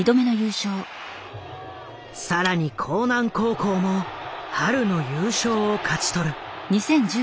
更に興南高校も春の優勝を勝ち取る。